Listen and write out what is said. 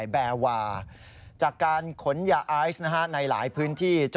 เป็นของทางแล้ว